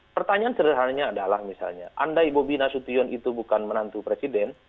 pertanyaan sederhananya adalah misalnya andai bobi nasution itu bukan menantu presiden